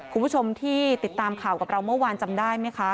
คุณผู้ชมที่ติดตามข่าวกับเราเมื่อวานจำได้ไหมคะ